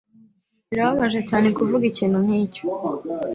Birababaje cyane kuvuga ikintu nkicyo.